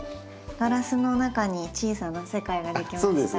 ガラスの中に小さな世界が出来ました。